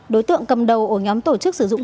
đối tượng cầm đầu ổ nhóm tổ chức sử dụng